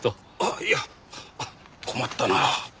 あっいや困ったな。